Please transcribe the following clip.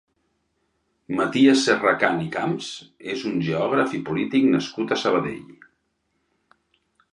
Maties Serracant i Camps és un geògraf i polític nascut a Sabadell.